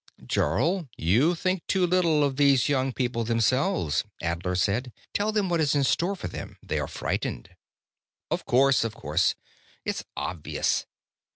"Jarl, you think too little of these young people themselves," Adler said. "Tell them what is in store for them. They are frightened." "Of course, of course. It's obvious.